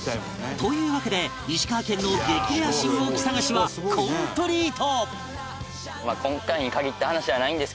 というわけで石川県の激レア信号機探しはコンプリート！